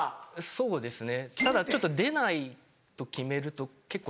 そうですね。